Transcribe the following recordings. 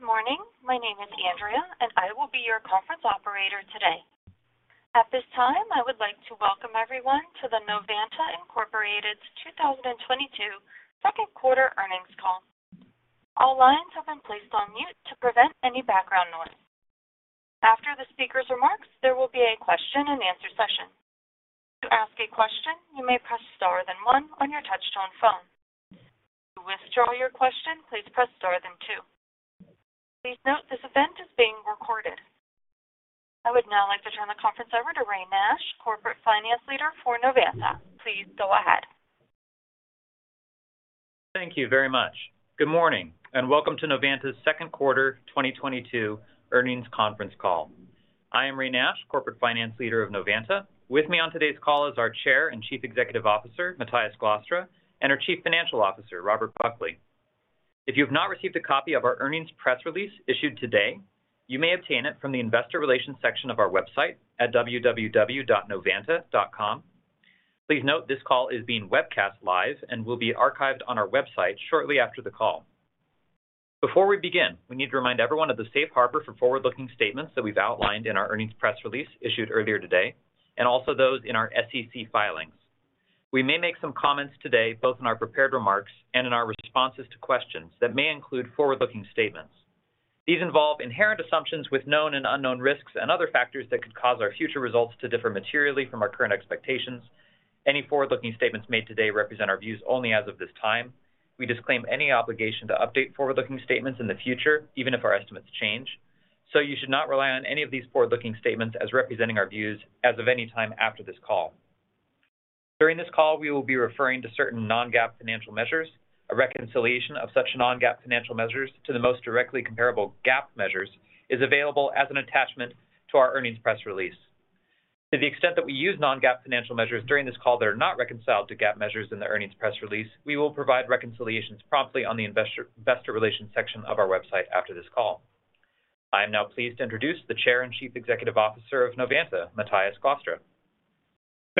Good morning. My name is Andrea and I will be your conference operator today. At this time, I would like to welcome everyone to the Novanta Inc's 2022 Second Quarter Earnings Call. All lines have been placed on mute to prevent any background noise. After the speaker's remarks, there will be a question-and-answer session. To ask a question, you may press star then one on your touch-tone phone. To withdraw your question, please press star then two. Please note this event is being recorded. I would now like to turn the conference over to Ray Nash, Corporate Finance Leader for Novanta. Please go ahead. Thank you very much. Good morning and welcome to Novanta's second quarter 2022 earnings conference call. I am Ray Nash, Corporate Finance Leader of Novanta. With me on today's call is our Chair and Chief Executive Officer, Matthijs Glastra, and our Chief Financial Officer, Robert Buckley. If you've not received a copy of our earnings press release issued today, you may obtain it from the investor relations section of our website at www.novanta.com. Please note this call is being webcast live and will be archived on our website shortly after the call. Before we begin, we need to remind everyone of the safe harbor for forward-looking statements that we've outlined in our earnings press release issued earlier today, and also those in our SEC filings. We may make some comments today, both in our prepared remarks and in our responses to questions that may include forward-looking statements. These involve inherent assumptions with known and unknown risks and other factors that could cause our future results to differ materially from our current expectations. Any forward-looking statements made today represent our views only as of this time. We disclaim any obligation to update forward-looking statements in the future, even if our estimates change. You should not rely on any of these forward-looking statements as representing our views as of any time after this call. During this call, we will be referring to certain non-GAAP financial measures. A reconciliation of such non-GAAP financial measures to the most directly comparable GAAP measures is available as an attachment to our earnings press release. To the extent that we use non-GAAP financial measures during this call that are not reconciled to GAAP measures in the earnings press release, we will provide reconciliations promptly on the investor relations section of our website after this call. I am now pleased to introduce the Chair and Chief Executive Officer of Novanta, Matthijs Glastra.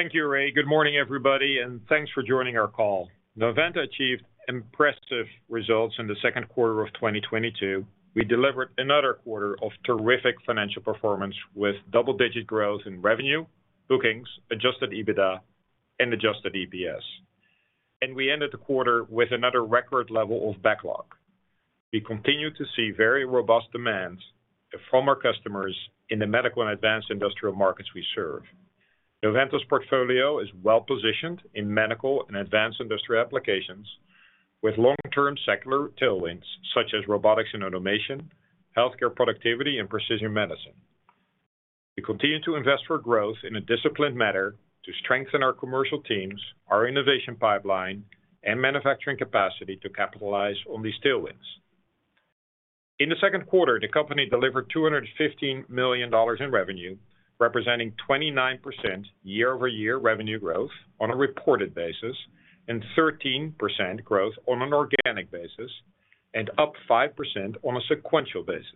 Thank you, Ray. Good morning, everybody and thanks for joining our call. Novanta achieved impressive results in the second quarter of 2022. We delivered another quarter of terrific financial performance with double-digit growth in revenue, bookings, adjusted EBITDA, and adjusted EPS. We ended the quarter with another record level of backlog. We continue to see very robust demands from our customers in the medical and advanced industrial markets we serve. Novanta's portfolio is well-positioned in medical and advanced industry applications with long-term secular tailwinds such as robotics and automation, healthcare productivity, and precision medicine. We continue to invest for growth in a disciplined manner to strengthen our commercial teams, our innovation pipeline, and manufacturing capacity to capitalize on these tailwinds. In the second quarter, the company delivered $215 million in revenue, representing 29% year-over-year revenue growth on a reported basis, and 13% growth on an organic basis, and up 5% on a sequential basis.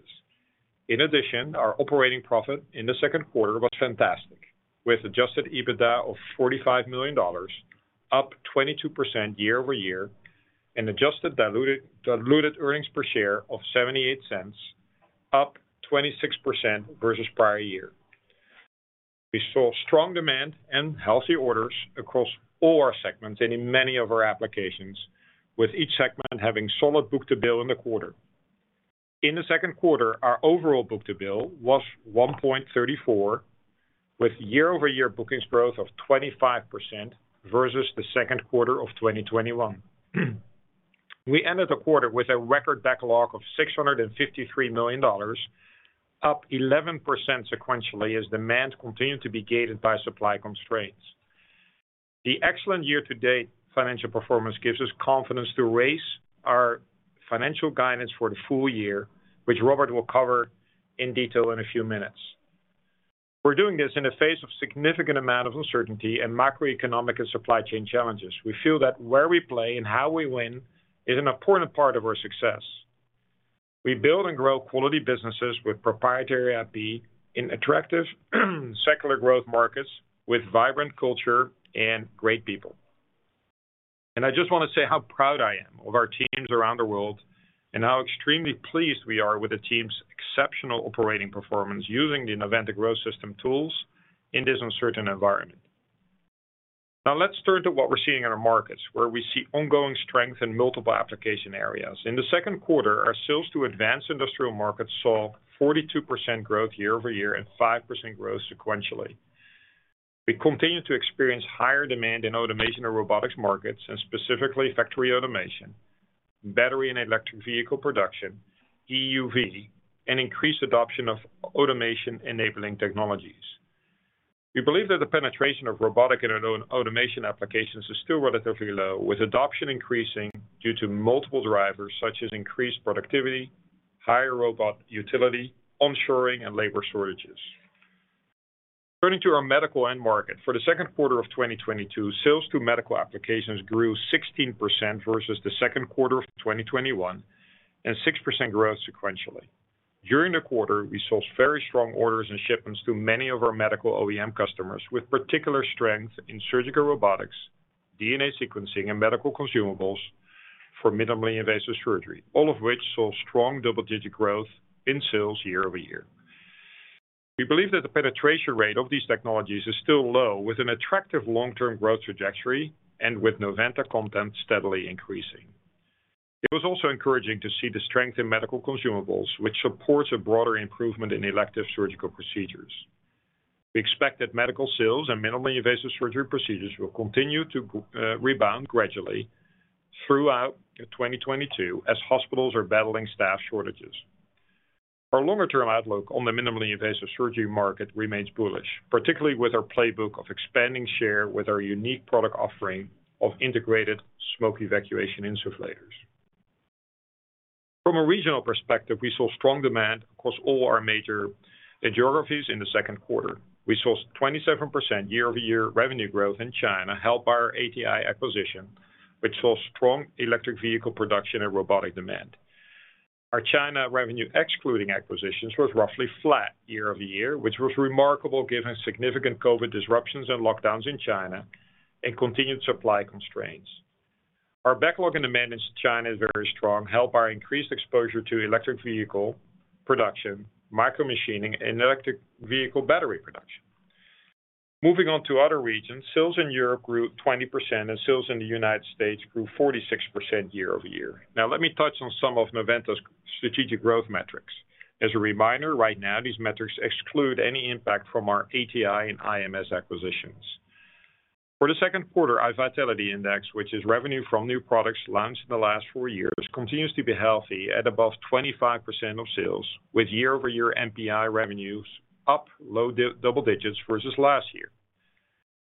Our operating profit in the second quarter was fantastic, with adjusted EBITDA of $45 million, up 22% year-over-year, and adjusted diluted earnings per share of $0.78, up 26% versus prior year. We saw strong demand and healthy orders across all our segments and in many of our applications, with each segment having solid book-to-bill in the quarter. In the second quarter, our overall book-to-bill was 1.34, with year-over-year bookings growth of 25% versus the second quarter of 2021. We ended the quarter with a record backlog of $653 million, up 11% sequentially as demand continued to be gated by supply constraints. The excellent year-to-date financial performance gives us confidence to raise our financial guidance for the full year, which Robert will cover in detail in a few minutes. We're doing this in the face of a significant amount of uncertainty and macroeconomic and supply chain challenges. We feel that where we play and how we win is an important part of our success. We build and grow quality businesses with proprietary IP in attractive secular growth markets with vibrant culture and great people. I just wanna say how proud I am of our teams around the world and how extremely pleased we are with the team's exceptional operating performance using the Novanta Growth System tools in this uncertain environment. Now let's turn to what we're seeing in our markets, where we see ongoing strength in multiple application areas. In the second quarter, our sales to advanced industrial markets saw 42% growth year-over-year and 5% growth sequentially. We continue to experience higher demand in automation and robotics markets, and specifically factory automation, battery and electric vehicle production, EUV and increased adoption of automation-enabling technologies. We believe that the penetration of robotic and auto-automation applications is still relatively low, with adoption increasing due to multiple drivers such as increased productivity, higher robot utility, onshoring, and labor shortages. Turning to our medical end market. For the second quarter of 2022, sales to medical applications grew 16% versus the second quarter of 2021, and 6% growth sequentially. During the quarter, we saw very strong orders and shipments to many of our medical OEM customers, with particular strength in surgical robotics, DNA sequencing, and medical consumables for minimally invasive surgery, all of which saw strong double-digit growth in sales year-over-year. We believe that the penetration rate of these technologies is still low, with an attractive long-term growth trajectory and with Novanta content steadily increasing. It was also encouraging to see the strength in medical consumables, which supports a broader improvement in elective surgical procedures. We expect that medical sales and minimally invasive surgery procedures will continue to rebound gradually throughout 2022 as hospitals are battling staff shortages. Our longer-term outlook on the minimally invasive surgery market remains bullish, particularly with our playbook of expanding share with our unique product offering of integrated smoke evacuation insufflators. From a regional perspective, we saw strong demand across all our major geographies in the second quarter. We saw 27% year-over-year revenue growth in China, helped by our ATI acquisition, which saw strong electric vehicle production and robotic demand. Our China revenue, excluding acquisitions, was roughly flat year-over-year, which was remarkable given significant COVID disruptions and lockdowns in China and continued supply constraints. Our backlog and demand in China is very strong, helped by increased exposure to electric vehicle production, micromachining, and electric vehicle battery production. Moving on to other regions. Sales in Europe grew 20%, and sales in the United States grew 46% year-over-year. Now, let me touch on some of Novanta's strategic growth metrics. As a reminder, right now, these metrics exclude any impact from our ATI and IMS acquisitions. For the second quarter vitality index, which is revenue from new products launched in the last four years, continues to be healthy at above 25% of sales, with year-over-year NPI revenues up low double digits versus last year.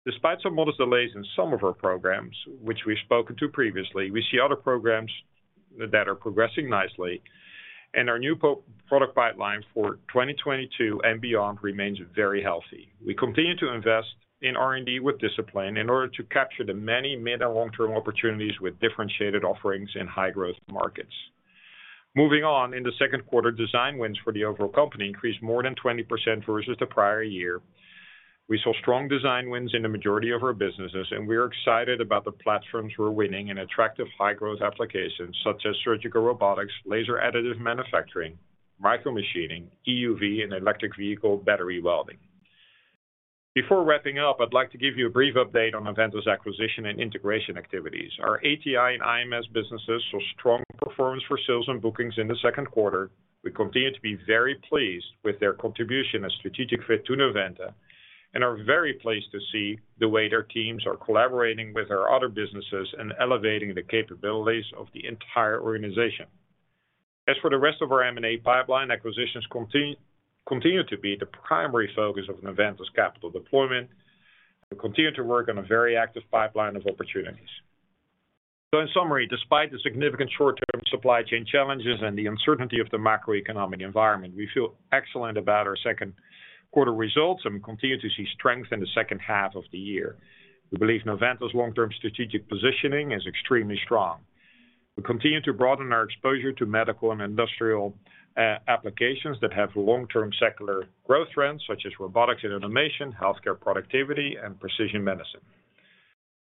Despite some modest delays in some of our programs, which we've spoken to previously, we see other programs that are progressing nicely, and our new product pipeline for 2022 and beyond remains very healthy. We continue to invest in R&D with discipline in order to capture the many mid and long-term opportunities with differentiated offerings in high-growth markets. Moving on, in the second quarter, design wins for the overall company increased more than 20% versus the prior year. We saw strong design wins in the majority of our businesses, and we are excited about the platforms were winning in attractive high-growth applications such as surgical robotics, laser additive manufacturing, micromachining, EUV, and electric vehicle battery welding. Before wrapping up, I'd like to give you a brief update on Novanta's acquisition and integration activities. Our ATI and IMS businesses saw strong performance for sales and bookings in the second quarter. We continue to be very pleased with their contribution and strategic fit to Novanta and are very pleased to see the way their teams are collaborating with our other businesses and elevating the capabilities of the entire organization. As for the rest of our M&A pipeline, acquisitions continue to be the primary focus of Novanta's capital deployment. We continue to work on a very active pipeline of opportunities. In summary, despite the significant short-term supply chain challenges and the uncertainty of the macroeconomic environment, we feel excellent about our second quarter results, and we continue to see strength in the second half of the year. We believe Novanta's long-term strategic positioning is extremely strong. We continue to broaden our exposure to medical and industrial applications that have long-term secular growth trends, such as robotics and automation, healthcare productivity, and precision medicine.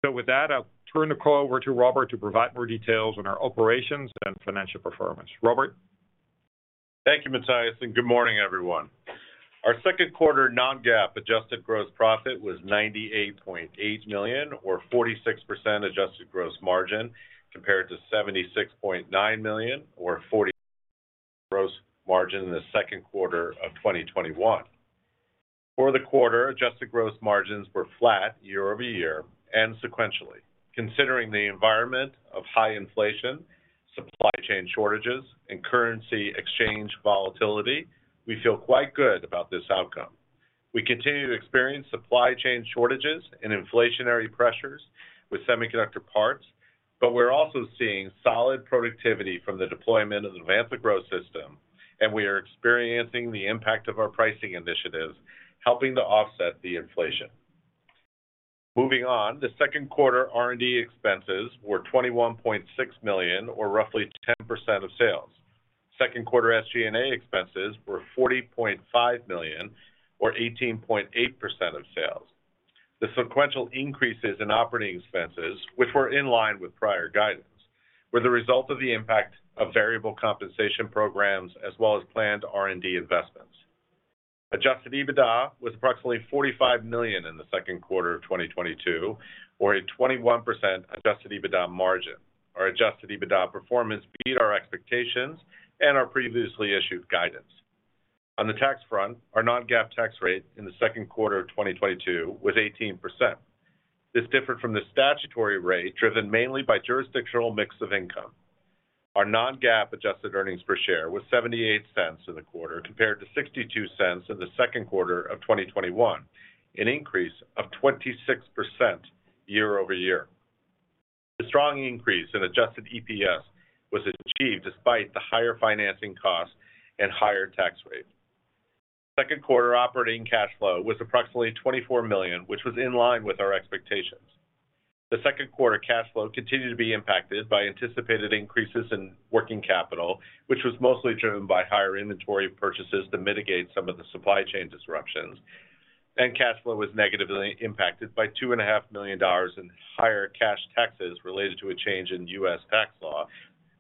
With that, I'll turn the call over to Robert to provide more details on our operations and financial performance. Robert? Thank you, Matthijs, and good morning, everyone. Our second quarter non-GAAP adjusted gross profit was $98.8 million or 46% adjusted gross margin, compared to $76.9 million or 40% gross margin in the second quarter of 2021. For the quarter, adjusted gross margins were flat year-over-year and sequentially. Considering the environment of high inflation, supply chain shortages, and currency exchange volatility, we feel quite good about this outcome. We continue to experience supply chain shortages and inflationary pressures with semiconductor parts, but we're also seeing solid productivity from the deployment of the Novanta Growth System, and we are experiencing the impact of our pricing initiatives helping to offset the inflation. Moving on, the second quarter R&D expenses were $21.6 million or roughly 10% of sales. Second quarter SG&A expenses were $40.5 million or 18.8% of sales. The sequential increases in operating expenses, which were in line with prior guidance, were the result of the impact of variable compensation programs as well as planned R&D investments. Adjusted EBITDA was approximately $45 million in the second quarter of 2022 or a 21% adjusted EBITDA margin. Our adjusted EBITDA performance beat our expectations and our previously issued guidance. On the tax front, our non-GAAP tax rate in the second quarter of 2022 was 18%. This differed from the statutory rate driven mainly by jurisdictional mix of income. Our non-GAAP adjusted earnings per share was $0.78 in the quarter, compared to $0.62 in the second quarter of 2021, an increase of 26% year-over-year. The strong increase in adjusted EPS was achieved despite the higher financing costs and higher tax rate. Second quarter operating cash flow was approximately $24 million, which was in line with our expectations. The second quarter cash flow continued to be impacted by anticipated increases in working capital, which was mostly driven by higher inventory purchases to mitigate some of the supply chain disruptions. Cash flow was negatively impacted by $2.5 million in higher cash taxes related to a change in U.S. tax law,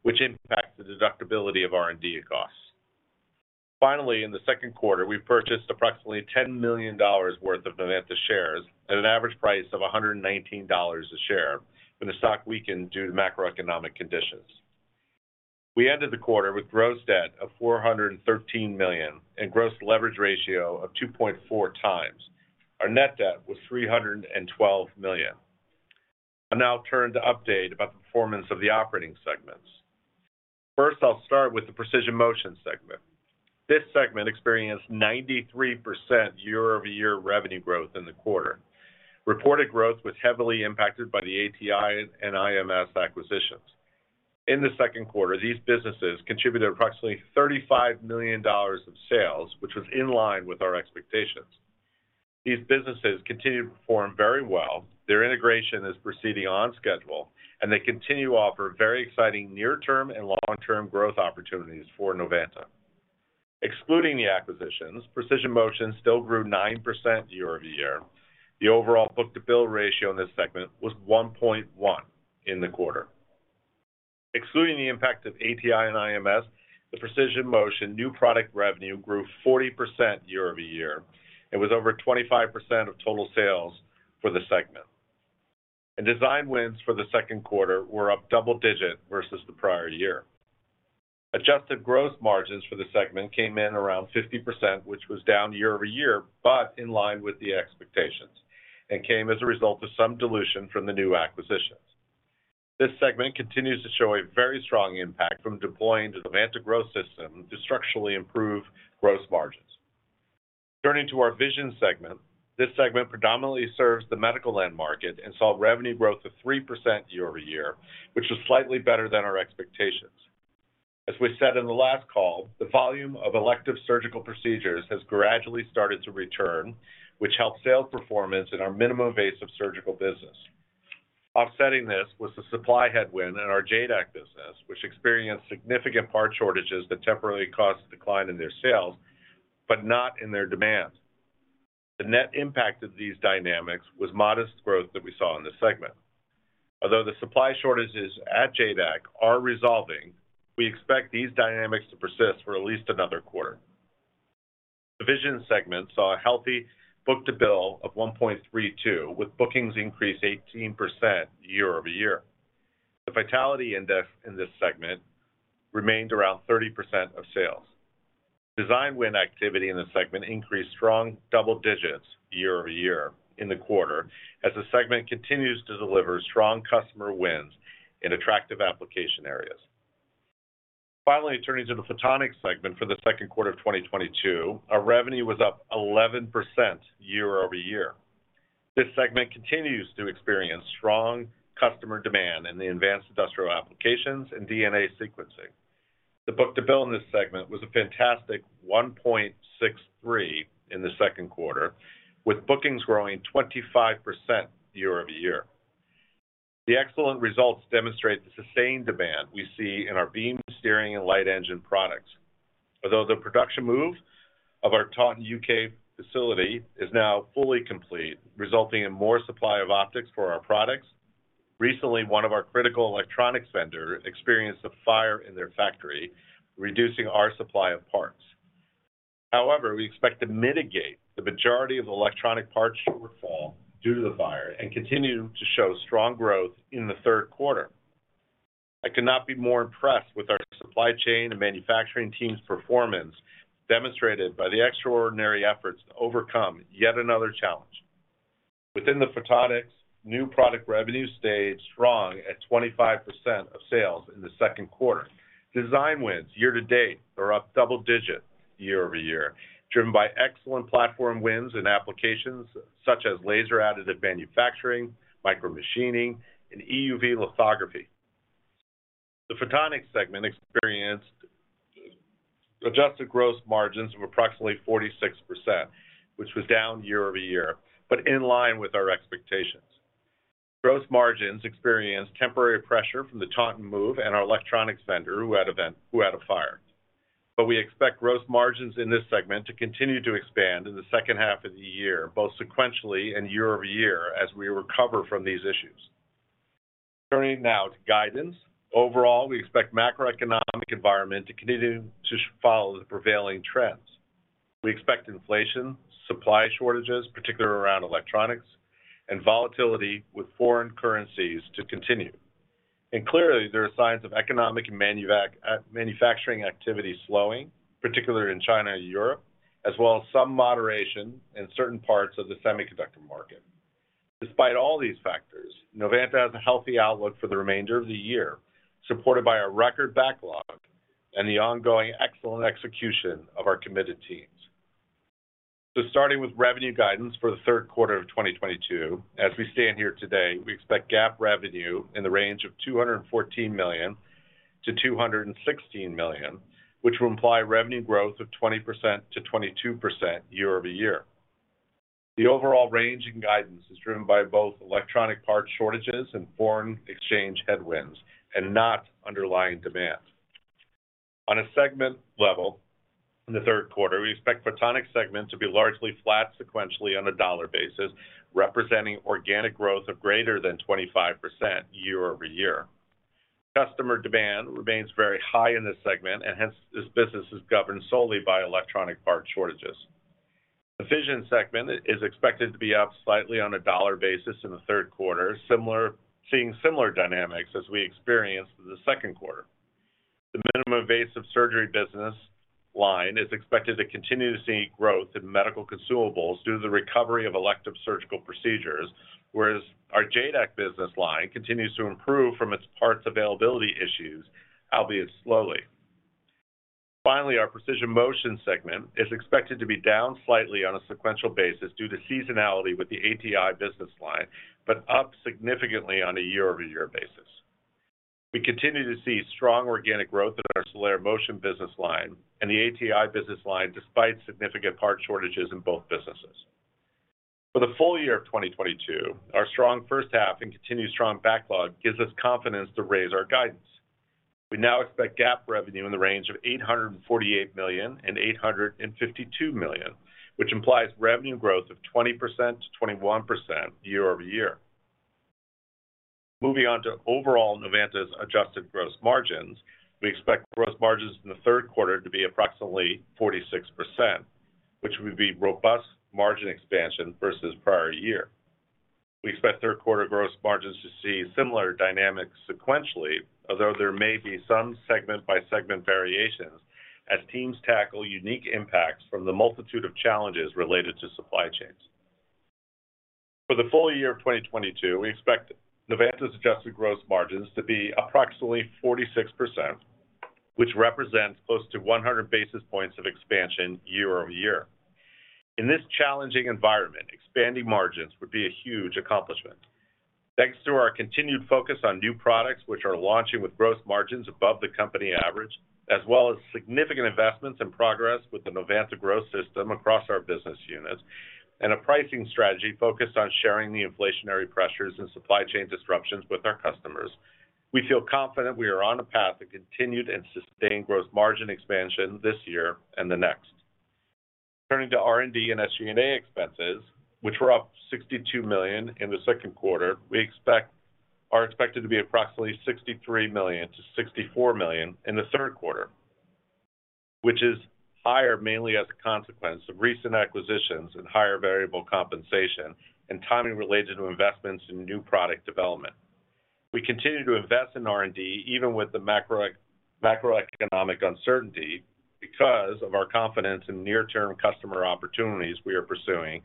which impacts the deductibility of R&D costs. Finally, in the second quarter, we purchased approximately $10 million worth of Novanta shares at an average price of $119 a share when the stock weakened due to macroeconomic conditions. We ended the quarter with gross debt of $413 million and gross leverage ratio of 2.4x. Our net debt was $312 million. I'll now turn to update about the performance of the operating segments. First, I'll start with the Precision Motion segment. This segment experienced 93% year-over-year revenue growth in the quarter. Reported growth was heavily impacted by the ATI and IMS acquisitions. In the second quarter, these businesses contributed approximately $35 million of sales, which was in line with our expectations. These businesses continue to perform very well. Their integration is proceeding on schedule, and they continue to offer very exciting near-term and long-term growth opportunities for Novanta. Excluding the acquisitions, Precision Motion still grew 9% year-over-year. The overall book-to-bill ratio in this segment was 1.1 in the quarter. Excluding the impact of ATI and IMS, the Precision Motion new product revenue grew 40% year-over-year and was over 25% of total sales for the segment. Design wins for the second quarter were up double-digit versus the prior year. Adjusted gross margins for the segment came in around 50%, which was down year-over-year, but in line with the expectations and came as a result of some dilution from the new acquisitions. This segment continues to show a very strong impact from deploying the Novanta Growth System to structurally improve gross margins. Turning to our Vision segment. This segment predominantly serves the medical end market and saw revenue growth of 3% year-over-year, which was slightly better than our expectations. As we said in the last call, the volume of elective surgical procedures has gradually started to return, which helped sales performance in our minimally invasive surgical business. Offsetting this was the supply headwind in our JADAK business, which experienced significant part shortages that temporarily caused a decline in their sales, but not in their demand. The net impact of these dynamics was modest growth that we saw in this segment. Although the supply shortages at JADAK are resolving, we expect these dynamics to persist for at least another quarter. The Vision segment saw a healthy book-to-bill of 1.32, with bookings increased 18% year-over-year. The vitality index in this segment remained around 30% of sales. Design win activity in the segment increased strong double digits year-over-year in the quarter as the segment continues to deliver strong customer wins in attractive application areas. Finally, turning to the Photonics segment for the second quarter of 2022. Our revenue was up 11% year-over-year. This segment continues to experience strong customer demand in the advanced industrial applications and DNA sequencing. The book-to-bill in this segment was a fantastic 1.63 in the second quarter, with bookings growing 25% year-over-year. The excellent results demonstrate the sustained demand we see in our beam steering and light engine products. Although the production move of our Taunton, U.K., facility is now fully complete, resulting in more supply of optics for our products. Recently, one of our critical electronics vendor experienced a fire in their factory, reducing our supply of parts. However, we expect to mitigate the majority of electronic parts shortfall due to the fire and continue to show strong growth in the third quarter. I could not be more impressed with our supply chain and manufacturing team's performance, demonstrated by the extraordinary efforts to overcome yet another challenge. Within the Photonics, new product revenue stayed strong at 25% of sales in the second quarter. Design wins year-to-date are up double digits year-over-year, driven by excellent platform wins in applications such as laser additive manufacturing, micromachining, and EUV lithography. The Photonics segment experienced adjusted gross margins of approximately 46%, which was down year-over-year, but in line with our expectations. Gross margins experienced temporary pressure from the Taunton move and our electronics vendor who had a fire. We expect gross margins in this segment to continue to expand in the second half of the year, both sequentially and year-over-year as we recover from these issues. Turning now to guidance. Overall, we expect macroeconomic environment to continue to follow the prevailing trends. We expect inflation, supply shortages, particularly around electronics, and volatility with foreign currencies to continue. Clearly, there are signs of economic and manufacturing activity slowing, particularly in China and Europe, as well as some moderation in certain parts of the semiconductor market. Despite all these factors, Novanta has a healthy outlook for the remainder of the year, supported by our record backlog and the ongoing excellent execution of our committed teams. Starting with revenue guidance for the third quarter of 2022. As we stand here today, we expect GAAP revenue in the range of $214 million-$216 million, which will imply revenue growth of 20%-22% year-over-year. The overall range in guidance is driven by both electronic part shortages and foreign exchange headwinds and not underlying demand. On a segment level in the third quarter, we expect Photonics segment to be largely flat sequentially on a dollar basis, representing organic growth of greater than 25% year-over-year. Customer demand remains very high in this segment and hence this business is governed solely by electronic part shortages. The Vision segment is expected to be up slightly on a dollar basis in the third quarter, similar, seeing similar dynamics as we experienced in the second quarter. The Minimally Invasive Surgery business line is expected to continue to see growth in medical consumables due to the recovery of elective surgical procedures, whereas our JADAK business line continues to improve from its parts availability issues, albeit slowly. Finally, our Precision Motion segment is expected to be down slightly on a sequential basis due to seasonality with the ATI business line, but up significantly on a year-over-year basis. We continue to see strong organic growth in our Celera Motion business line and the ATI business line despite significant part shortages in both businesses. For the full year of 2022, our strong first half and continued strong backlog gives us confidence to raise our guidance. We now expect GAAP revenue in the range of $848 million-$852 million, which implies revenue growth of 20%-21% year-over-year. Moving on to overall Novanta's adjusted gross margins, we expect gross margins in the third quarter to be approximately 46%, which would be robust margin expansion versus prior year. We expect third quarter gross margins to see similar dynamics sequentially, although there may be some segment-by-segment variations as teams tackle unique impacts from the multitude of challenges related to supply chains. For the full year of 2022, we expect Novanta's adjusted gross margins to be approximately 46%, which represents close to 100 basis points of expansion year-over-year. In this challenging environment, expanding margins would be a huge accomplishment. Thanks to our continued focus on new products, which are launching with gross margins above the company average, as well as significant investments and progress with the Novanta Growth System across our business units and a pricing strategy focused on sharing the inflationary pressures and supply chain disruptions with our customers. We feel confident we are on a path of continued and sustained gross margin expansion this year and the next. Turning to R&D and SG&A expenses, which were up $62 million in the second quarter, are expected to be approximately $63 million-$64 million in the third quarter, which is higher mainly as a consequence of recent acquisitions and higher variable compensation and timing related to investments in new product development. We continue to invest in R&D even with the macroeconomic uncertainty, because of our confidence in near-term customer opportunities we are pursuing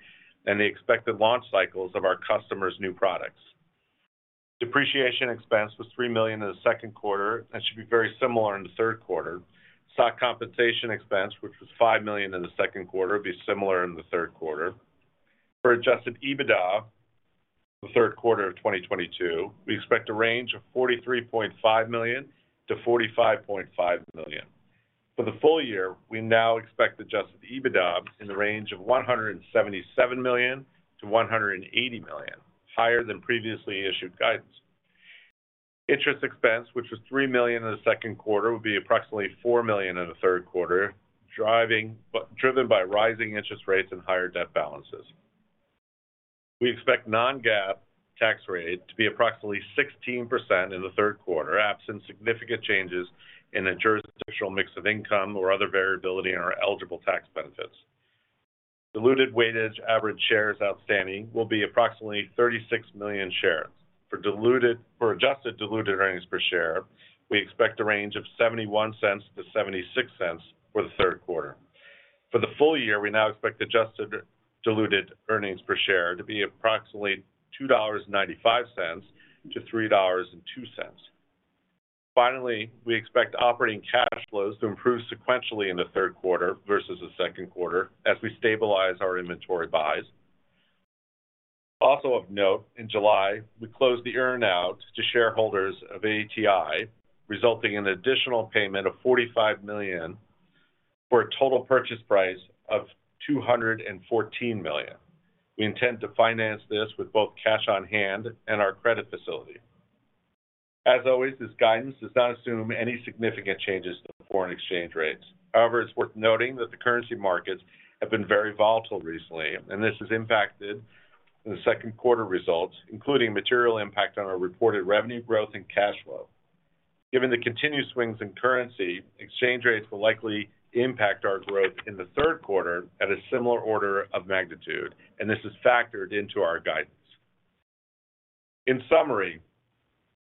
and the expected launch cycles of our customers' new products. Depreciation expense was $3 million in the second quarter and should be very similar in the third quarter. Stock compensation expense, which was $5 million in the second quarter, will be similar in the third quarter. For adjusted EBITDA for the third quarter of 2022, we expect a range of $43.5 million-$45.5 million. For the full year, we now expect adjusted EBITDA in the range of $177 million-$180 million, higher than previously issued guidance. Interest expense, which was $3 million in the second quarter, will be approximately $4 million in the third quarter, driven by rising interest rates and higher debt balances. We expect non-GAAP tax rate to be approximately 16% in the third quarter, absent significant changes in the jurisdictional mix of income or other variability in our eligible tax benefits. Diluted weighted average shares outstanding will be approximately 36 million shares. For adjusted diluted earnings per share, we expect a range of $0.71-$0.76 for the third quarter. For the full year, we now expect adjusted diluted earnings per share to be approximately $2.95-$3.02. Finally, we expect operating cash flows to improve sequentially in the third quarter versus the second quarter as we stabilize our inventory buys. Also of note, in July, we closed the earn out to shareholders of ATI, resulting in an additional payment of $45 million for a total purchase price of $214 million. We intend to finance this with both cash on-hand and our credit facility. As always, this guidance does not assume any significant changes to foreign exchange rates. However, it's worth noting that the currency markets have been very volatile recently, and this has impacted the second quarter results, including material impact on our reported revenue growth and cash flow. Given the continued swings in currency, exchange rates will likely impact our growth in the third quarter at a similar order of magnitude and this is factored into our guidance. In summary,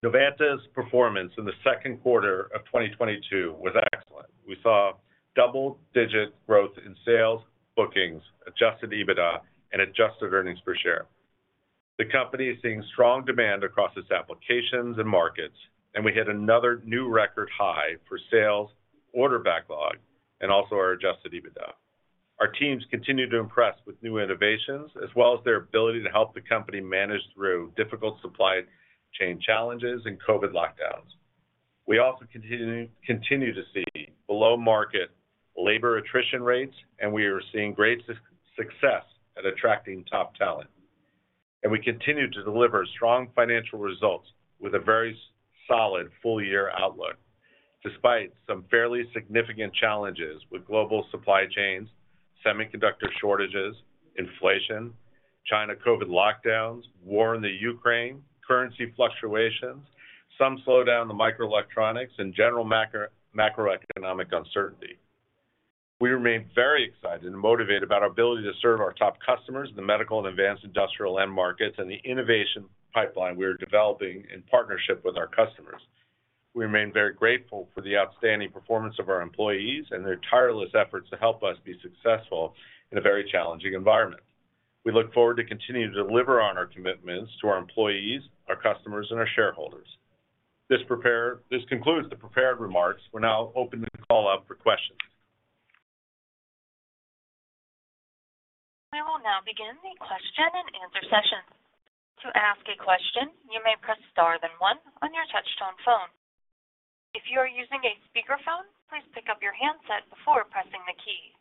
Novanta's performance in the second quarter of 2022 was excellent. We saw double-digit growth in sales, bookings, adjusted EBITDA and adjusted earnings per share. The company is seeing strong demand across its applications and markets and we hit another new record high for sales, order backlog, and also our adjusted EBITDA. Our teams continue to impress with new innovations as well as their ability to help the company manage through difficult supply chain challenges and COVID lockdowns. We also continue to see below market labor attrition rates and we are seeing great success at attracting top talent. We continue to deliver strong financial results with a very solid full year outlook, despite some fairly significant challenges with global supply chains, semiconductor shortages, inflation, China COVID lockdowns, war in Ukraine, currency fluctuations, some slowdown in the microelectronics and general macro, macroeconomic uncertainty. We remain very excited and motivated about our ability to serve our top customers in the medical and advanced industrial end markets and the innovation pipeline we are developing in partnership with our customers. We remain very grateful for the outstanding performance of our employees and their tireless efforts to help us be successful in a very challenging environment. We look forward to continuing to deliver on our commitments to our employees, our customers, and our shareholders. This concludes the prepared remarks. We're now opening the call up for questions. We will now begin the question-and-answer session. To ask a question, you may press star then one on your touchtone phone. If you are using a speakerphone, please pick up your handset before pressing the key.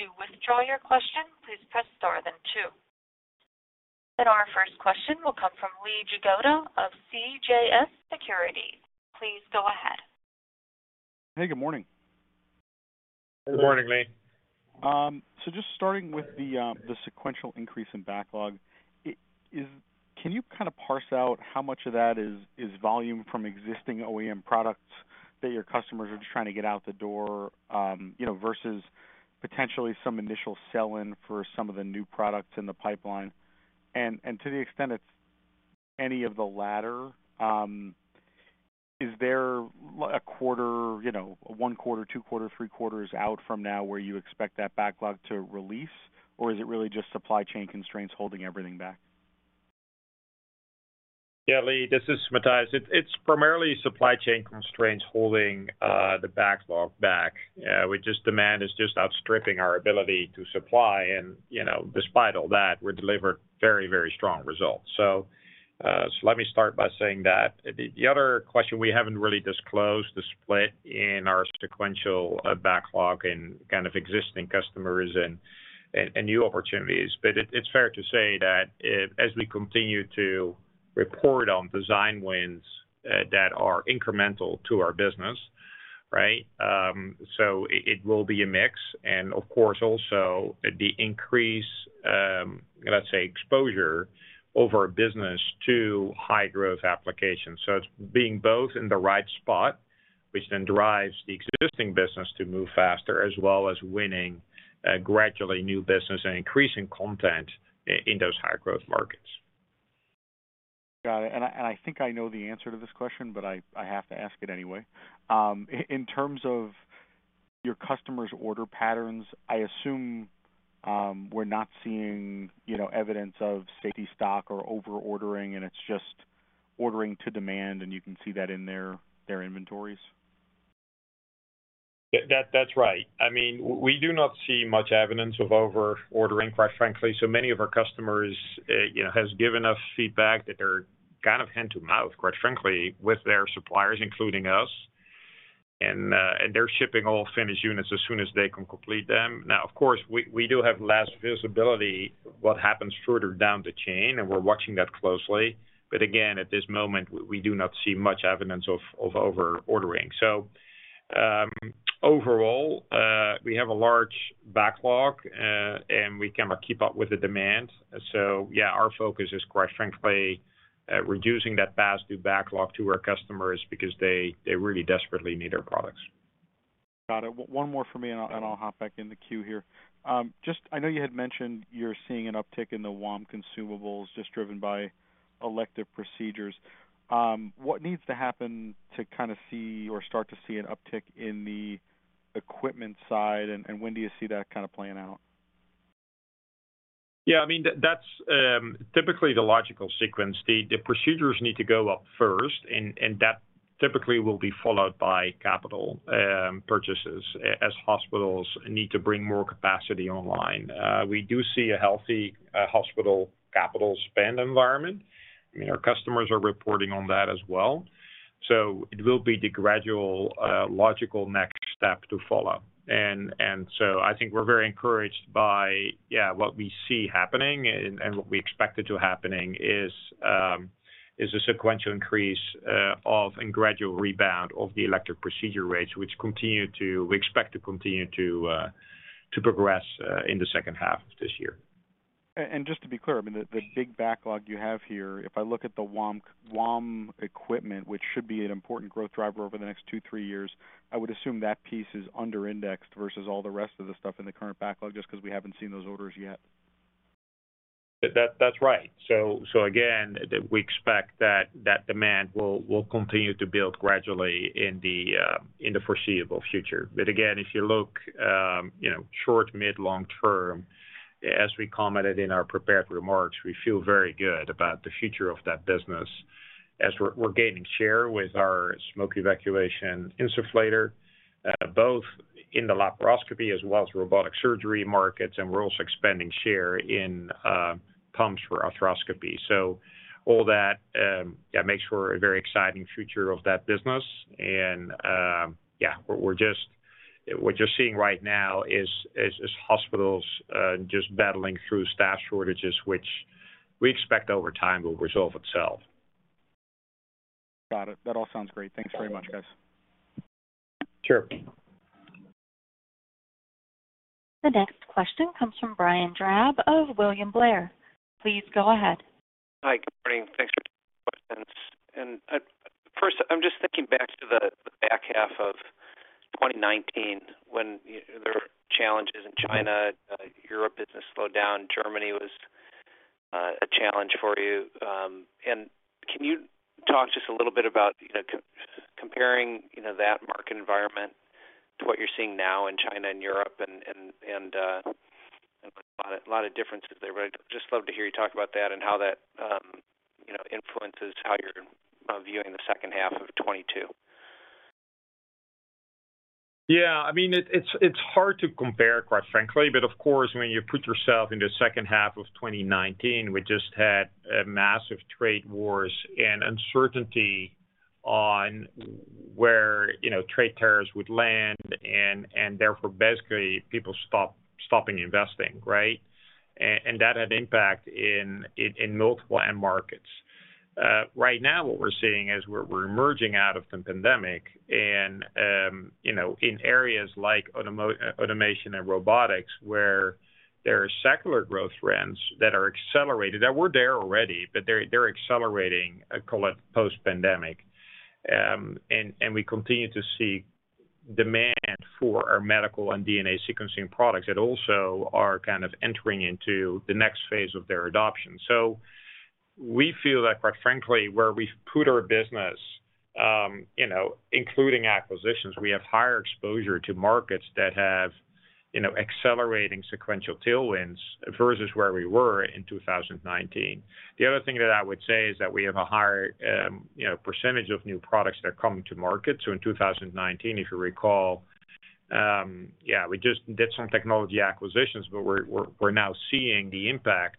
To withdraw your question, please press star then two. Our first question will come from Lee Jagoda of CJS Securities. Please go ahead. Hey, good morning. Good morning, Lee. Just starting with the sequential increase in backlog, can you kind of parse out how much of that is volume from existing OEM products that your customers are just trying to get out the door, you know, versus potentially some initial sell-in for some of the new products in the pipeline? To the extent it's any of the latter, is there a quarter, you know, one quarter, two quarter, three quarters out from now where you expect that backlog to release? Or is it really just supply chain constraints holding everything back? Yeah, Lee, this is Matthijs. It's primarily supply chain constraints holding the backlog back. With demand just outstripping our ability to supply and, you know, despite all that, we delivered very strong results. Let me start by saying that. The other question we haven't really disclosed the split in our sequential backlog and kind of existing customers and new opportunities. But it's fair to say that as we continue to report on design wins that are incremental to our business, right? It will be a mix. And of course, also the increase, let's say exposure over business to high-growth applications. It's being both in the right spot, which then drives the existing business to move faster, as well as winning gradually new business and increasing content in those high-growth markets. Got it. I think I know the answer to this question, but I have to ask it anyway. In terms of your customers' order patterns, I assume we're not seeing, you know, evidence of safety stock or over ordering, and it's just ordering to demand, and you can see that in their inventories. That's right. I mean, we do not see much evidence of over ordering, quite frankly. Many of our customers, you know, have given us feedback that they're kind of hand to mouth, quite frankly, with their suppliers, including us. And they're shipping all finished units as soon as they can complete them. Now, of course, we do have less visibility what happens further down the chain, and we're watching that closely. But again, at this moment, we do not see much evidence of over ordering. Overall, we have a large backlog, and we cannot keep up with the demand. Yeah, our focus is quite frankly reducing that pass-through backlog to our customers because they really desperately need our products. Got it. One more for me, and I'll hop back in the queue here. Just, I know you had mentioned you're seeing an uptick in the WOM consumables just driven by elective procedures. What needs to happen to kind of see or start to see an uptick in the equipment side? When do you see that kind of playing out? Yeah, I mean, that's typically the logical sequence. The procedures need to go up first and that typically will be followed by capital purchases as hospitals need to bring more capacity online. We do see a healthy hospital capital spend environment. I mean, our customers are reporting on that as well. It will be the gradual logical next step to follow. I think we're very encouraged by what we see happening and what we expect it to happen is a sequential increase and gradual rebound of the elective procedure rates, which we expect to continue to progress in the second half of this year. Just to be clear, I mean, the big backlog you have here. If I look at the WOM equipment, which should be an important growth driver over the next two, three years, I would assume that piece is under-indexed versus all the rest of the stuff in the current backlog, just because we haven't seen those orders yet. That's right. So again, we expect that demand will continue to build gradually in the foreseeable future. But again, if you look, you know, short, mid, long term, as we commented in our prepared remarks, we feel very good about the future of that business as we're gaining share with our smoke evacuation insufflator, both in the laparoscopy as well as robotic surgery markets, and we're also expanding share in pumps for arthroscopy. So all that makes for a very exciting future of that business. What you're seeing right now is hospitals just battling through staff shortages, which we expect over time will resolve itself. Got it. That all sounds great. Thanks very much, guys. Sure. The next question comes from Brian Drab of William Blair. Please go ahead. Hi. Good morning. Thanks for taking my questions. First, I'm just thinking back to the back half of 2019 when, you know, there were challenges in China. Europe business slowed down. Germany was a challenge for you. Can you talk just a little bit about, you know, comparing, you know, that market environment to what you're seeing now in China and Europe and a lot of differences there. I'd just love to hear you talk about that and how that, you know, influences how you're viewing the second half of 2022. Yeah, I mean, it's hard to compare quite frankly, but of course, when you put yourself in the second half of 2019, we just had massive trade wars and uncertainty on where, you know, trade tariffs would land and therefore basically people stopping investing, right? That had impact in multiple end markets. Right now, what we're seeing is we're emerging out of the pandemic and, you know, in areas like automation and robotics, where there are secular growth trends that are accelerated, that were there already, but they're accelerating, call it, post-pandemic. We continue to see demand for our medical and DNA sequencing products that also are kind of entering into the next phase of their adoption. We feel that quite frankly, where we've put our business, you know, including acquisitions, we have higher exposure to markets that have, you know, accelerating sequential tailwinds versus where we were in 2019. The other thing that I would say is that we have a higher, you know, percentage of new products that are coming to market. In 2019, if you recall, yeah, we just did some technology acquisitions, but we're now seeing the impact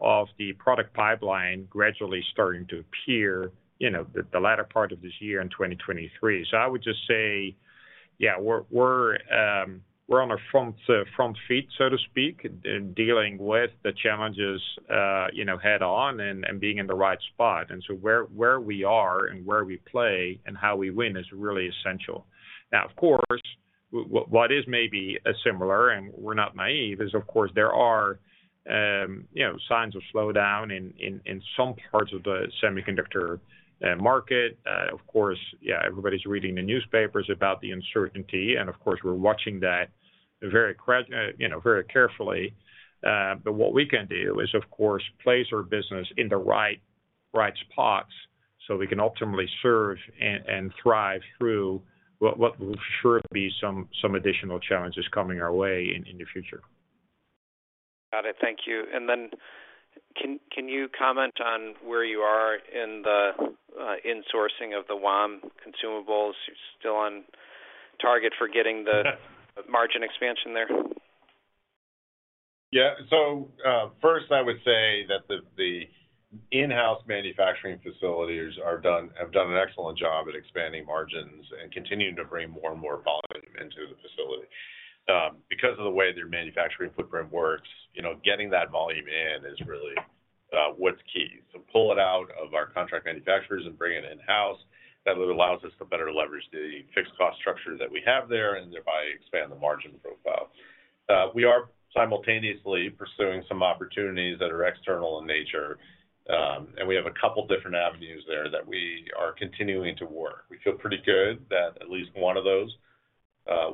of the product pipeline gradually starting to appear, you know, the latter part of this year in 2023. I would just say, yeah, we're on our front feet, so to speak, dealing with the challenges, you know, head on and being in the right spot. Where we are and where we play and how we win is really essential. Now, of course, what is maybe similar, and we're not naive, is of course there are, you know, signs of slowdown in some parts of the semiconductor market. Of course, everybody's reading the newspapers about the uncertainty, and of course, we're watching that very, you know, very carefully. But what we can do is of course place our business in the right spots so we can ultimately serve and thrive through what will sure be some additional challenges coming our way in the future. Got it. Thank you. Can you comment on where you are in the insourcing of the WOM consumables? You still on target for getting the margin expansion there? Yeah. First, I would say that the in-house manufacturing facilities have done an excellent job at expanding margins and continuing to bring more and more volume into the facility. Because of the way their manufacturing footprint works, you know, getting that volume in is really what's key. Pull it out of our contract manufacturers and bring it in-house. That allows us to better leverage the fixed cost structure that we have there and thereby expand the margin profile. We are simultaneously pursuing some opportunities that are external in nature, and we have a couple different avenues there that we are continuing to work. We feel pretty good that at least one of those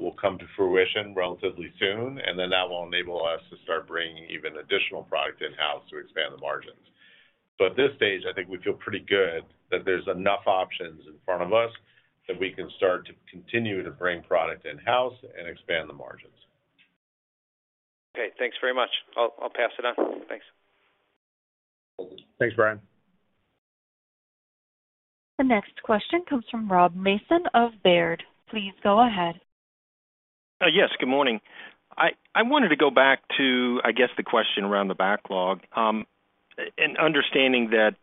will come to fruition relatively soon, and then that will enable us to start bringing even additional product in-house to expand the margins. At this stage, I think we feel pretty good that there's enough options in front of us that we can start to continue to bring product in-house and expand the margins. Okay. Thanks very much. I'll pass it on. Thanks. Thanks, Brian. The next question comes from Rob Mason of Baird. Please go ahead. Yes. Good morning. I wanted to go back to, I guess, the question around the backlog. Understanding that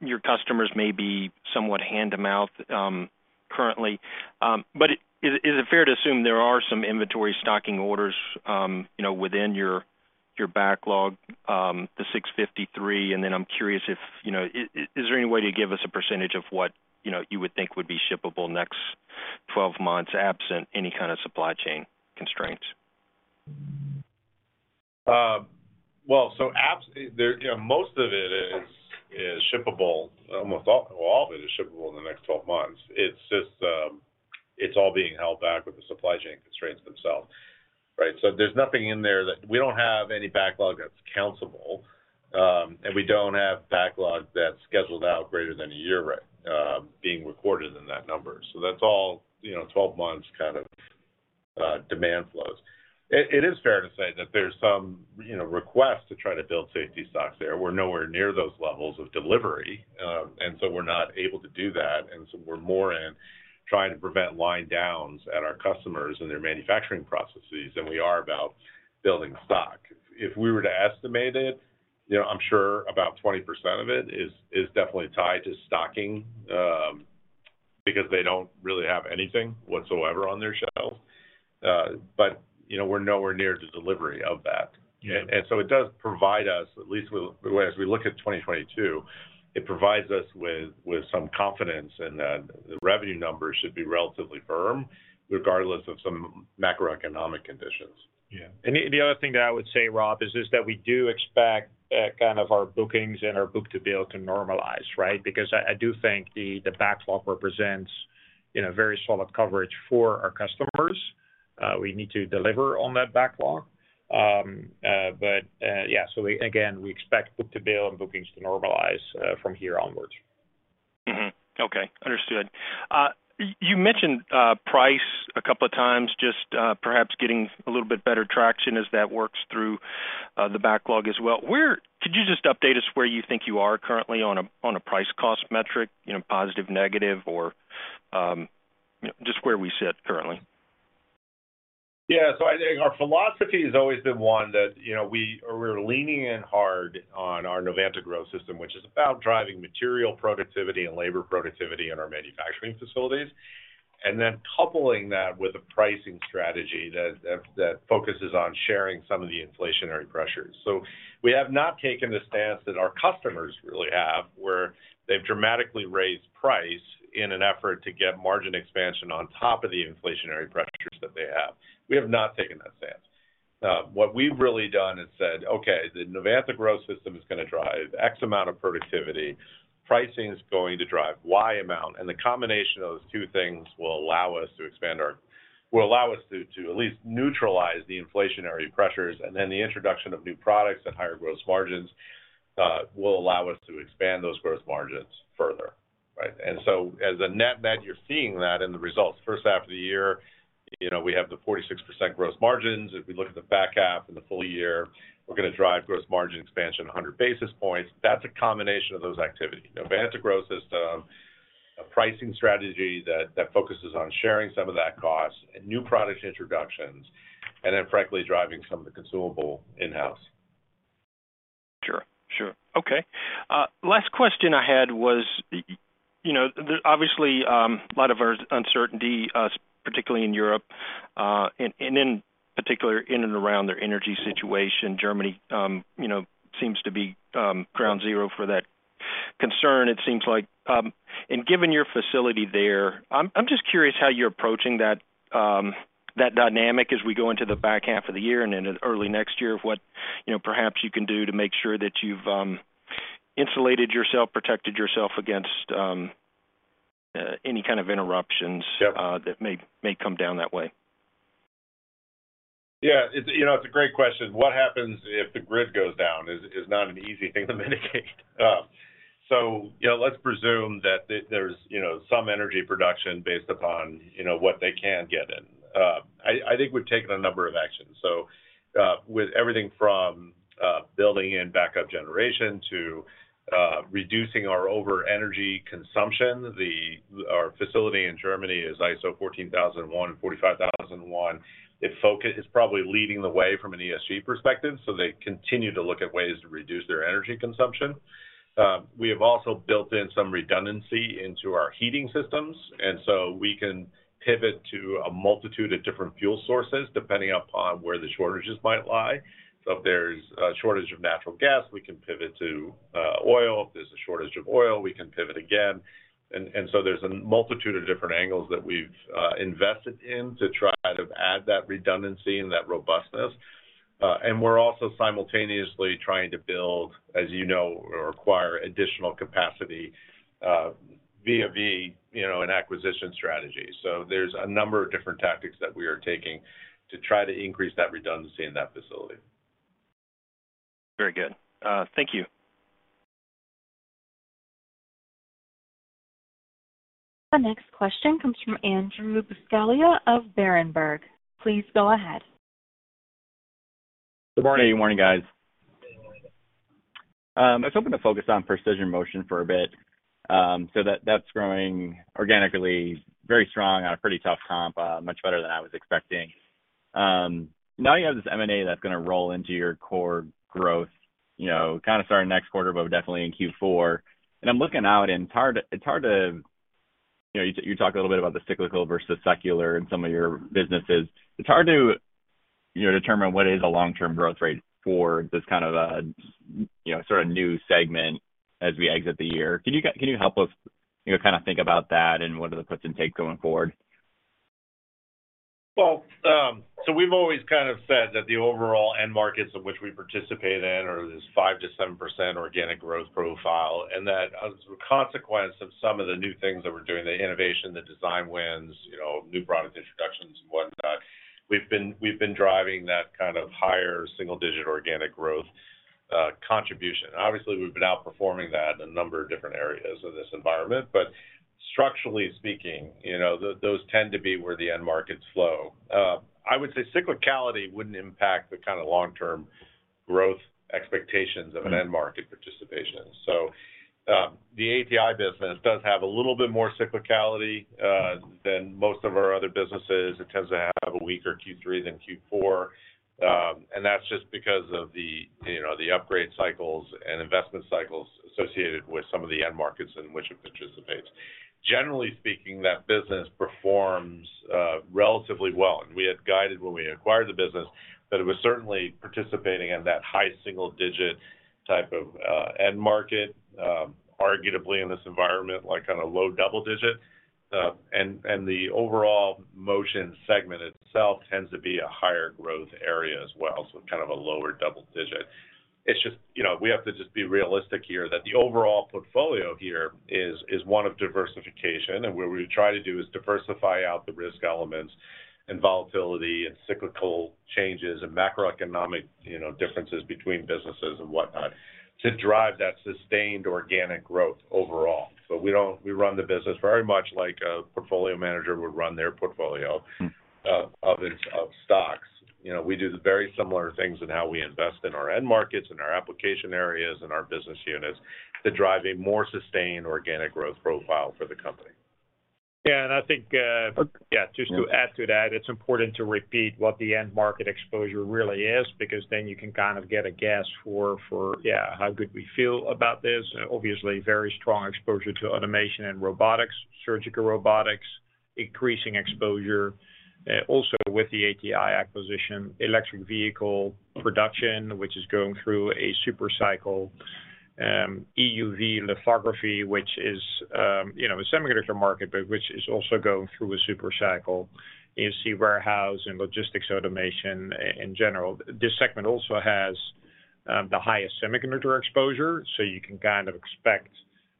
your customers may be somewhat hand-to-mouth currently. Is it fair to assume there are some inventory stocking orders, you know, within your backlog, the $653 million? I'm curious if there is any way to give us a percentage of what you would think would be shippable next 12 months absent any kind of supply chain constraints? You know, most of it is shippable, almost all, well, all of it is shippable in the next 12 months. It's just, it's all being held back with the supply chain constraints themselves, right? There's nothing in there. We don't have any backlog that's countable, and we don't have backlog that's scheduled out greater than a year, being recorded in that number. That's all, you know, 12 months kind of demand flows. It is fair to say that there's some, you know, requests to try to build safety stocks there. We're nowhere near those levels of delivery, and so we're not able to do that. We're more in trying to prevent line downs at our customers and their manufacturing processes than we are about building stock. If we were to estimate it, you know, I'm sure about 20% of it is definitely tied to stocking, because they don't really have anything whatsoever on their shelves. You know, we're nowhere near the delivery of that. Yeah. It does provide us, at least as we look at 2022, it provides us with some confidence in that the revenue numbers should be relatively firm regardless of some macroeconomic conditions. Yeah. The other thing that I would say, Rob, is just that we do expect kind of our bookings and our book-to-bill to normalize, right? Because I do think the backlog represents, you know, very solid coverage for our customers. We need to deliver on that backlog. Again, we expect book-to-bill and bookings to normalize from here onwards. Mm-hmm. Okay. Understood. You mentioned price a couple of times just perhaps getting a little bit better traction as that works through the backlog as well. Could you just update us where you think you are currently on a price-cost metric, you know, positive, negative or just where we sit currently? Yeah. I think our philosophy has always been one that, you know, we're leaning in hard on our Novanta Growth System, which is about driving material productivity and labor productivity in our manufacturing facilities, and then coupling that with a pricing strategy that focuses on sharing some of the inflationary pressures. We have not taken the stance that our customers really have, where they've dramatically raised price in an effort to get margin expansion on top of the inflationary pressures that they have. We have not taken that stance. What we've really done is said, "Okay, the Novanta Growth System is gonna drive X amount of productivity. Pricing's going to drive Y amount, and the combination of those two things will allow us to expand our... Will allow us to at least neutralize the inflationary pressures, and then the introduction of new products at higher gross margins will allow us to expand those gross margins further. Right? As a net, you're seeing that in the results. First half of the year, you know, we have the 46% gross margins. If we look at the back half and the full year, we're gonna drive gross margin expansion 100 basis points. That's a combination of those activities. Novanta Growth System, a pricing strategy that focuses on sharing some of that cost, new product introductions, and then frankly, driving some of the consumable in-house. Sure. Okay. Last question I had was, you know, obviously a lot of uncertainty, particularly in Europe, and in particular in and around their energy situation. Germany, you know, seems to be ground zero for that concern it seems like. Given your facility there, I'm just curious how you're approaching that dynamic as we go into the back half of the year and into early next year, what, you know, perhaps you can do to make sure that you've insulated yourself, protected yourself against any kind of interruptions. Yep That may come down that way. Yeah. It's, you know, it's a great question. What happens if the grid goes down is not an easy thing to mitigate. You know, let's presume that there's, you know, some energy production based upon, you know, what they can get in. I think we've taken a number of actions with everything from building in backup generation to reducing our overall energy consumption. Our facility in Germany is ISO 14001 and 45001. It is probably leading the way from an ESG perspective, so they continue to look at ways to reduce their energy consumption. We have also built in some redundancy into our heating systems, and so we can pivot to a multitude of different fuel sources depending upon where the shortages might lie. If there's a shortage of natural gas, we can pivot to oil. If there's a shortage of oil, we can pivot again. There's a multitude of different angles that we've invested in to try to add that redundancy and that robustness. We're also simultaneously trying to build, as you know, or acquire additional capacity, vis-a-vis, you know, an acquisition strategy. There's a number of different tactics that we are taking to try to increase that redundancy in that facility. Very good. Thank you. The next question comes from Andrew Buscaglia of Berenberg. Please go ahead. Good morning. Good morning. I was hoping to focus on Precision Motion for a bit. That's growing organically very strong on a pretty tough comp, much better than I was expecting. Now you have this M&A that's gonna roll into your core growth, you know, kind of starting next quarter, but definitely in Q4. I'm looking out, and it's hard to, you know, you talked a little bit about the cyclical versus secular in some of your businesses. It's hard to, you know, determine what is a long-term growth rate for this kind of a, you know, sort of new segment as we exit the year. Can you help us, you know, kind of think about that and what are the puts and takes going forward? We've always kind of said that the overall end markets of which we participate in are this 5%-7% organic growth profile, and that as a consequence of some of the new things that we're doing, the innovation, the design wins, you know, new product introductions and whatnot, we've been driving that kind of higher single-digit organic growth contribution. Obviously, we've been outperforming that in a number of different areas of this environment, but structurally speaking, you know, those tend to be where the end markets flow. I would say cyclicality wouldn't impact the kind of long-term growth expectations of an end market participation. The ATI business does have a little bit more cyclicality than most of our other businesses. It tends to have a weaker Q3 than Q4. That's just because of the, you know, the upgrade cycles and investment cycles associated with some of the end markets in which it participates. Generally speaking, that business performs relatively well. We had guided when we acquired the business that it was certainly participating in that high single digit type of end market, arguably in this environment, like kind of low double digit. The overall motion segment itself tends to be a higher growth area as well, so kind of a lower double digit. It's just, you know, we have to just be realistic here that the overall portfolio here is one of diversification. What we try to do is diversify out the risk elements and volatility and cyclical changes and macroeconomic, you know, differences between businesses and whatnot to drive that sustained organic growth overall. We don't. We run the business very much like a portfolio manager would run their portfolio- Mm-hmm of stocks. You know, we do very similar things in how we invest in our end markets, in our application areas, in our business units to drive a more sustained organic growth profile for the company. I think just to add to that, it's important to repeat what the end market exposure really is, because then you can kind of get a guess for how good we feel about this. Obviously, very strong exposure to automation and robotics, surgical robotics, increasing exposure also with the ATI acquisition, electric vehicle production, which is going through a super cycle, EUV lithography, which is you know a semiconductor market, but which is also going through a super cycle, e-commerce warehouse and logistics automation in general. This segment also has the highest semiconductor exposure, so you can kind of expect,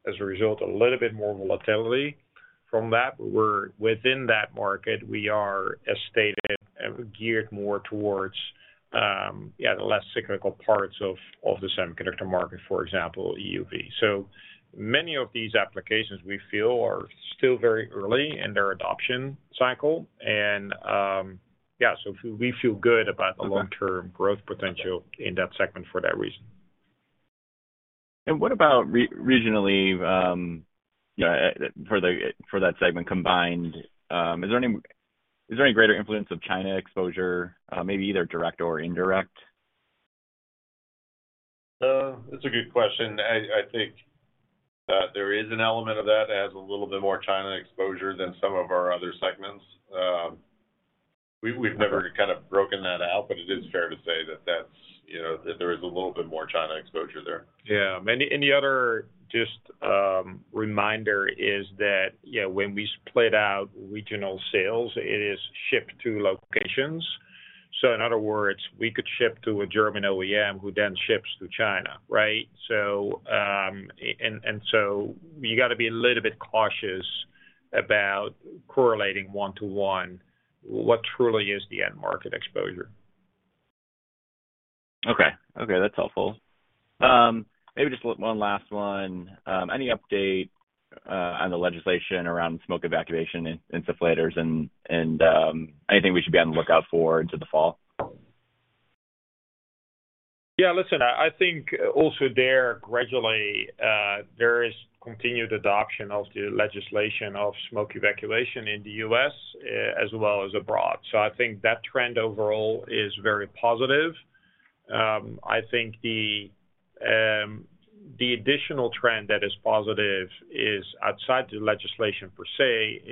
as a result, a little bit more volatility from that. Within that market, we are, as stated, geared more towards the less cyclical parts of the semiconductor market, for example, EUV. Many of these applications, we feel are still very early in their adoption cycle. Yeah, we feel good about the long-term growth potential in that segment for that reason. What about regionally, for that segment combined, is there any greater influence of China exposure, maybe either direct or indirect? That's a good question. I think that there is an element of that. It has a little bit more China exposure than some of our other segments. We've never kind of broken that out, but it is fair to say that that's, you know, that there is a little bit more China exposure there. Yeah. The other just reminder is that, you know, when we split out regional sales, it is shipped to locations. In other words, we could ship to a German OEM who then ships to China, right? You got to be a little bit cautious about correlating one to one what truly is the end market exposure. Okay. Okay, that's helpful. Maybe just one last one. Any update on the legislation around smoke evacuation insufflators and anything we should be on the lookout for into the fall? Yeah, listen, I think also there gradually there is continued adoption of the legislation of smoke evacuation in the U.S. as well as abroad. I think that trend overall is very positive. I think the additional trend that is positive is outside the legislation per se,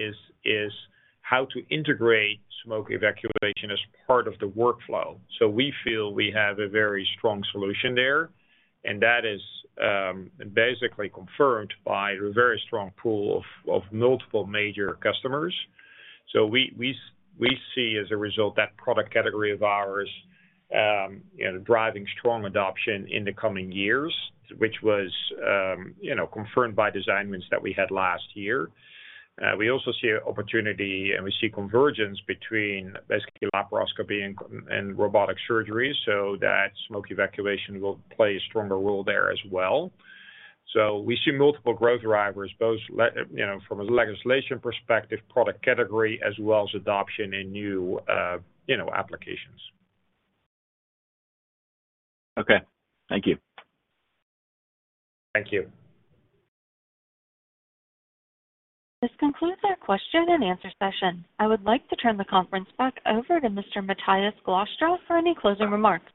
how to integrate smoke evacuation as part of the workflow. We feel we have a very strong solution there, and that is basically confirmed by a very strong pool of multiple major customers. We see as a result that product category of ours you know driving strong adoption in the coming years, which was you know confirmed by design wins that we had last year. We also see opportunity and we see convergence between basically laparoscopy and robotic surgery, so that smoke evacuation will play a stronger role there as well. We see multiple growth drivers, both you know, from a legislation perspective, product category, as well as adoption in new, you know, applications. Okay. Thank you. Thank you. This concludes our question and answer session. I would like to turn the conference back over to Mr. Matthijs Glastra for any closing remarks.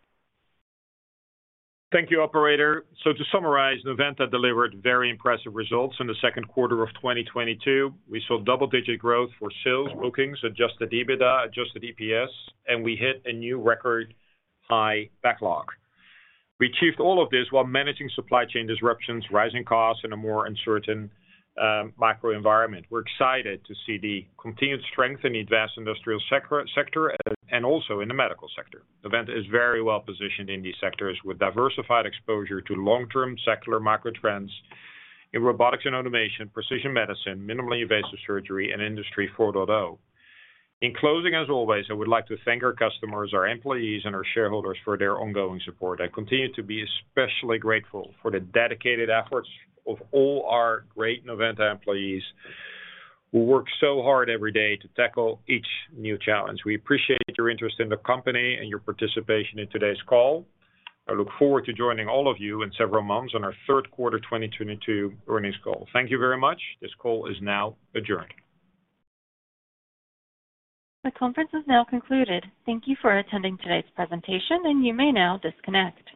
Thank you, operator. To summarize, Novanta delivered very impressive results in the second quarter of 2022. We saw double-digit growth for sales, bookings, adjusted EBITDA, adjusted EPS, and we hit a new record high backlog. We achieved all of this while managing supply chain disruptions, rising costs, in a more uncertain, macro environment. We're excited to see the continued strength in the advanced industrial sector and also in the medical sector. Novanta is very well positioned in these sectors with diversified exposure to long-term secular macro trends in robotics and automation, precision medicine, minimally invasive surgery, and Industry 4.0. In closing, as always, I would like to thank our customers, our employees, and our shareholders for their ongoing support. I continue to be especially grateful for the dedicated efforts of all our great Novanta employees who work so hard every day to tackle each new challenge. We appreciate your interest in the company and your participation in today's call. I look forward to joining all of you in several months on our third quarter 2022 earnings call. Thank you very much. This call is now adjourned. The conference is now concluded. Thank you for attending today's presentation, and you may now disconnect.